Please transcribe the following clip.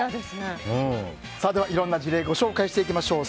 いろんな事例をご紹介していきましょう。